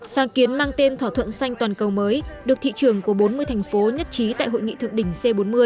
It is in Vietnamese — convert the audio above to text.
sáng kiến mang tên thỏa thuận xanh toàn cầu mới được thị trường của bốn mươi thành phố nhất trí tại hội nghị thượng đỉnh c bốn mươi